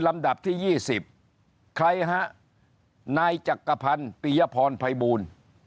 ลำดับที่๒๐ใครฮะนายจักรพันธ์ปียพรภัยบูล